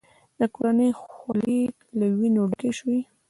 د کورنۍ خولې له وینو ډکې شوې.